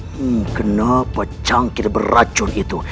hmm kenapa cangkir beracun itu